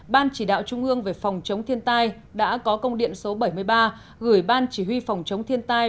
ban chỉ đạo trung ương về phòng chống thiên tai đã có công điện số bảy mươi ba gửi ban chỉ huy phòng chống thiên tai